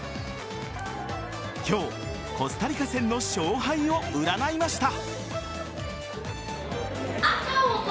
今日コスタリカ戦の勝敗を占いました。